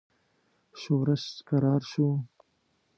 ښورښ کرار شو.